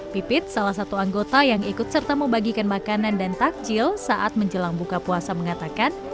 pipit salah satu anggota yang ikut serta membagikan makanan dan takjil saat menjelang buka puasa mengatakan